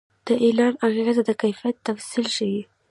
د اعلان اغېز د کیفیت تفصیل ښيي.